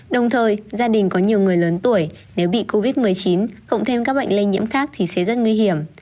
đồng thời gia đình có nhiều người lớn tuổi nếu bị covid một mươi chín cộng thêm các bệnh lây nhiễm khác thì sẽ rất nguy hiểm